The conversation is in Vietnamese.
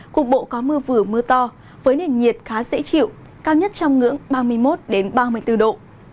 cục bộ có mưa vừa mưa to với nền nhiệt khá dễ chịu cao nhất trong ngưỡng ba mươi một ba mươi bốn độ